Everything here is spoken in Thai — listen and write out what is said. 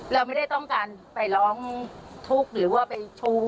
เราไม่ได้ต้องการไปร้องทุกข์หรือว่าไปชู้